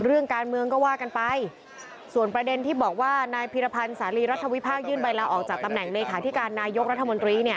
เรื่องการเมืองก็ว่ากันไปส่วนประเด็นที่บอกว่านายพิรพันธ์สาลีรัฐวิพากษยื่นใบลาออกจากตำแหน่งเลขาธิการนายกรัฐมนตรีเนี่ย